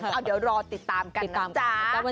เอาเดี๋ยวรอติดตามกันนะ